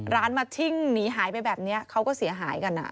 ร้านมาชิ่งหนีหายไปแบบนี้เขาก็เสียหายกัน